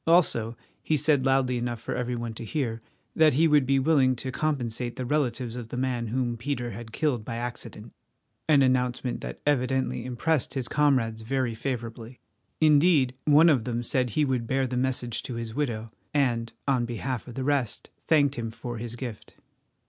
Also, he said loudly enough for every one to hear, that he would be willing to compensate the relatives of the man whom Peter had killed by accident—an announcement that evidently impressed his comrades very favourably. Indeed one of them said he would bear the message to his widow, and, on behalf of the rest, thanked him for his gift.